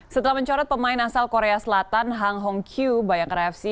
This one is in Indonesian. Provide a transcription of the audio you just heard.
setelah mencoret pemain asal korea selatan hang hong q bayangkara fc